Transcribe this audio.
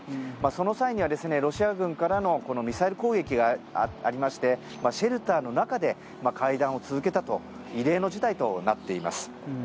その際にはロシア軍からのミサイル攻撃がありましてシェルターの中で会談を続けたと異例の事態となっています。